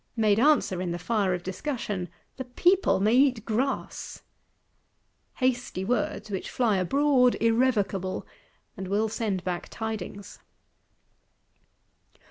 '—made answer, in the fire of discussion, 'The people may eat grass:' hasty words, which fly abroad irrevocable,—and will send back tidings!